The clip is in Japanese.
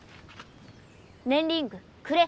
ねんリングくれ。